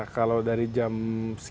kalau dari jalan